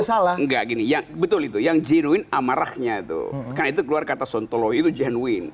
salah nggak gini yang betul itu yang jenuin amarahnya tuh itu keluar kata sontolow itu gen piece